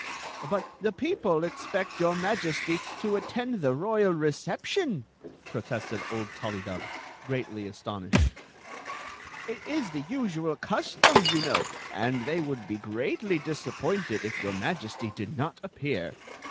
" But the people expect your Majesty to attend the royal reception," protested old TuUydub, greatly aston ished. " It is the usual custom, you know; and they would be greatly disappointed if your Majesty did not appear."